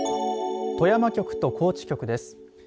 富山局と高知局です。